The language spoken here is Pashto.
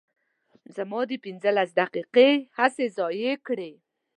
زما دې پنځلس دقیقې هسې ضایع کړې.